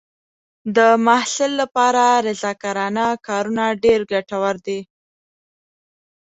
د محصل لپاره رضاکارانه کارونه ډېر ګټور دي.